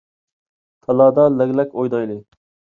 تالادا لەگلەك ئوينايلى.